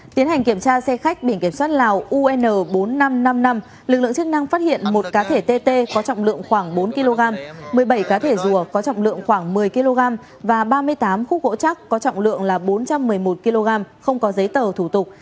tiến hành kiểm tra xe khách biển kiểm soát lào un bốn nghìn năm trăm năm mươi năm lực lượng chức năng phát hiện một cá thể tt có trọng lượng khoảng bốn kg một mươi bảy cá thể rùa có trọng lượng khoảng một mươi kg và ba mươi tám khúc gỗ chắc có trọng lượng là bốn trăm một mươi một kg không có giấy tờ thủ tục